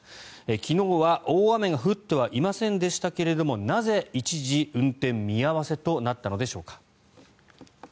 昨日は大雨が降ってはいませんでしたがなぜ、一時運転見合わせとなったのでしょうか。